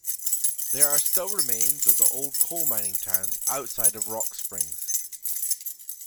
There are still remains of the old coal mining towns outside of Rock Springs.